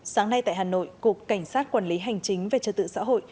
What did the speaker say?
sáng nay tại hà nội cục cảnh sát quản lý hành chính về trật tự xã hội